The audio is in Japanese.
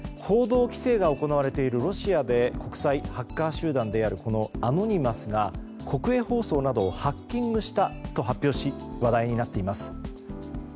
報道規制が行われているロシアで国際ハッカー集団であるアノニマスが国営放送などをハッキングしたと発表し話題になっています。